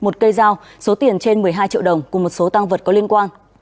một cây dao số tiền trên một mươi hai triệu đồng cùng một số tăng vật có liên quan